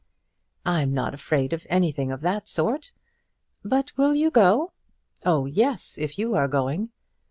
"I'm not afraid of anything of that sort." "But will you go?" "Oh, yes, if you are going."